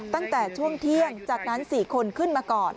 ตั้งแต่ช่วงเที่ยงจากนั้น๔คนขึ้นมาก่อน